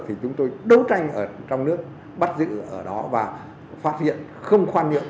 thì chúng tôi đấu tranh ở trong nước bắt giữ ở đó và phát hiện không khoan nhượng